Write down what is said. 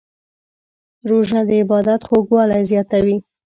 روژه د عبادت خوږوالی زیاتوي.